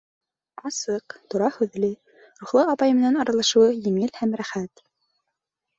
Асыҡ, тура һүҙле, рухлы апай менән аралашыуы еңел һәм рәхәт.